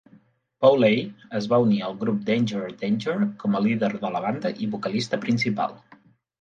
Poley es va unir al grup Danger Danger com a líder de la banda i vocalista principal.